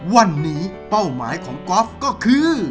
วันนี้เป้าหมายของกอล์ฟก็คือ